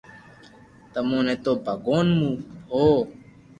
تموني نو ڀگوان مون ڀوھ